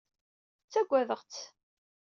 Ttagadeɣ-tt.